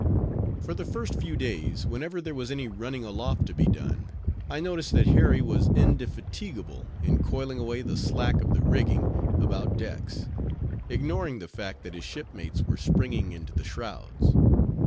For the first few days, whenever there was any running aloft to be done, I noticed that Harry was indefatigable in coiling away the slack of the rigging about decks; ignoring the fact that his shipmates were springing into the shrouds.